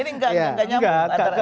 ini nggak nyambut